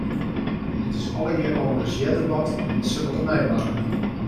Dat is allegearre al ris earder bard en it sil op 'e nij barre.